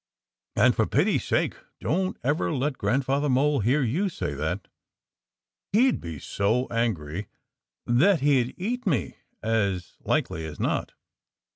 "And for pity's sake don't ever let Grandfather Mole hear you say that! He'd be so angry that he'd eat me, as likely as not.